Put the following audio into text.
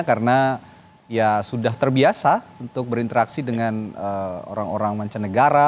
karena ya sudah terbiasa untuk berinteraksi dengan orang orang mancanegara